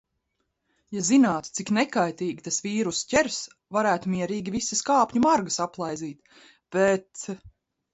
Ja zinātu, cik "nekaitīgi" tas vīruss ķers, varētu mierīgi visas kāpņu margas aplaizīt. Bet...